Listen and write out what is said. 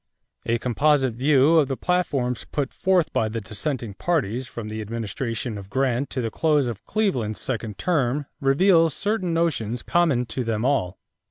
A composite view of the platforms put forth by the dissenting parties from the administration of Grant to the close of Cleveland's second term reveals certain notions common to them all.